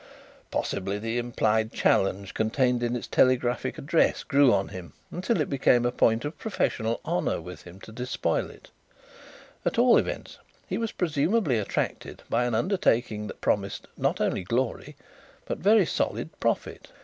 Possibly the implied challenge contained in its telegraphic address grew on him until it became a point of professional honour with him to despoil it; at all events he was presumedly attracted by an undertaking that promised not only glory but very solid profit.